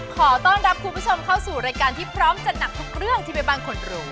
ขอต้อนรับคุณผู้ชมเข้าสู่รายการที่พร้อมจัดหนักทุกเรื่องที่แม่บ้านควรรู้